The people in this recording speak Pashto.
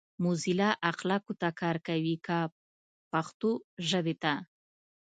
موزیلا اخلاقو ته کار کوي کۀ پښتو ژبې ته؟